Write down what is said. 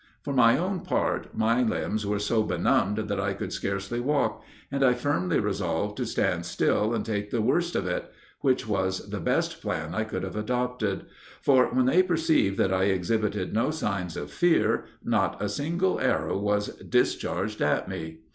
For my own part, my limbs were so benumbed that I could scarcely walk, and I firmly resolved to stand still and take the worst of it which was the best plan I could have adopted; for, when they perceived that I exhibited no signs of fear, not a single arrow was discharged at me.